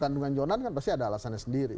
tandungan jualan kan pasti ada alasannya sendiri